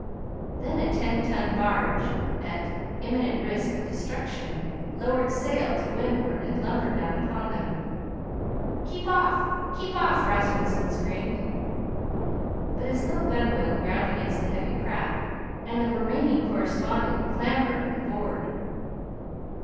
Then a ten ton barge, at imminent risk of destruction, lowered sail to windward and lumbered down upon them. "Keep off! Keep off!" Rasmunsen screamed. But his low gunwale ground against the heavy craft, and the remaining correspondent clambered aboard.